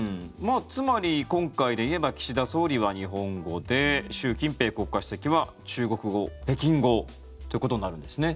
つまり、今回でいえば岸田総理は日本語で習近平国家主席は中国語、北京語ということになるんですね。